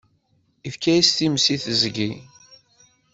Ifka-yas times i teẓgi.